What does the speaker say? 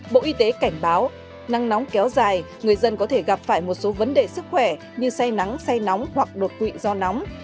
bộ y tế cảnh báo nắng nóng kéo dài người dân có thể gặp phải một số vấn đề sức khỏe như say nắng say nóng hoặc đột quỵ do nóng